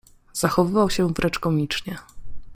zachowywał się wręcz komicznie.